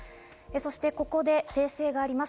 そしてここで訂正があります。